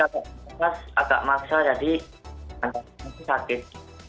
agak nafas agak maksa jadi sakit